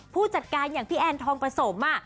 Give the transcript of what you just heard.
ผู้จัดการอย่างพี่แอ้นทองประสมอ่ะ